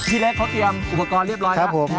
เล็กเขาเตรียมอุปกรณ์เรียบร้อยครับผม